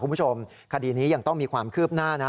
คุณผู้ชมคดีนี้ยังต้องมีความคืบหน้านะ